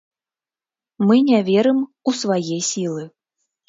Мы не верым у свае сілы.